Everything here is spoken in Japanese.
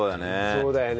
そうだよね。